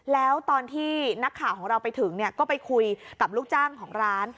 แล้วตอนที่นักข่าวของเราไปถึงก็ไปคุยกับลูกจ้างของร้าน